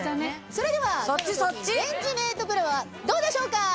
それではレンジメートプロはどうでしょうか？